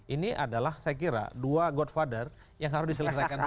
ini adalah saya kira dua godfather yang harus diselesaikan